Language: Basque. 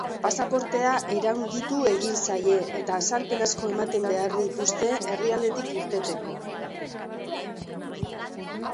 Pasaportea iraungitu egin zaie eta azalpen asko ematen behar dituzte herrialdetik irteteko.